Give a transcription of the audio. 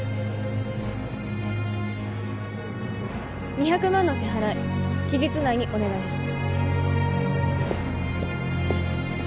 ２００万の支払い期日内にお願いします。